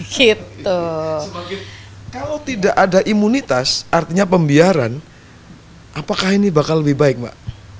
kalau tidak ada imunitas artinya pembiaran apakah ini bakal lebih baik mbak